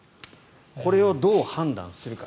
これをどう判断するか。